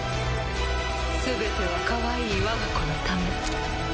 全てはかわいい我が子のため。